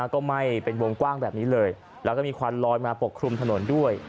ก็ไหม้เป็นวงกว้างแบบนี้เลยแล้วก็มีควันลอยมาปกคลุมถนนด้วย